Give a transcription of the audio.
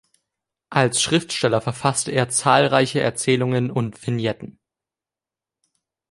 Als Schriftsteller verfasste er zahlreiche Erzählungen und Vignetten.